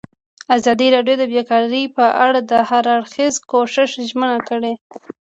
ازادي راډیو د بیکاري په اړه د هر اړخیز پوښښ ژمنه کړې.